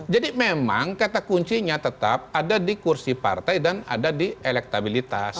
jadi memang kata kuncinya tetap ada di kursi partai dan ada di elektabilitas